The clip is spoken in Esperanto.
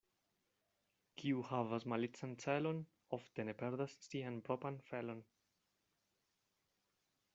Kiu havas malican celon, ofte perdas sian propran felon.